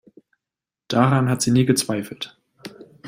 Daran hat sie nie gezweifelt.